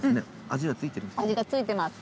味が付いてます。